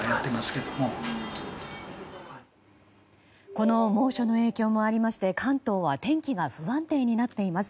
この猛暑の影響もありまして関東は天気が不安定になっています。